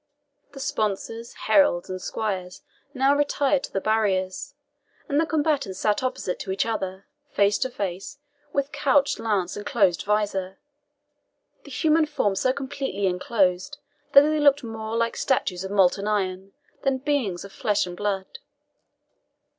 The sponsors, heralds, and squires now retired to the barriers, and the combatants sat opposite to each other, face to face, with couched lance and closed visor, the human form so completely enclosed, that they looked more like statues of molten iron than beings of flesh and blood.